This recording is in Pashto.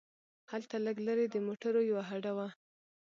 هلته لږ لرې د موټرو یوه هډه وه.